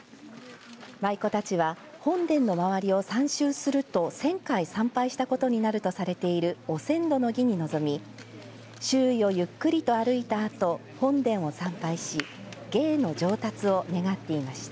舞妓たちは本殿の周りを３周すると１０００回参拝したことになるとされているお千度の儀に臨み周囲をゆっくりと歩いたあと本殿を参拝し芸の上達を願っていました。